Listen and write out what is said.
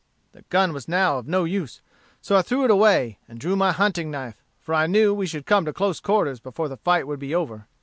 The gun was now of no use, so I threw it away, and drew my hunting knife, for I knew we should come to close quarters before the fight would be over.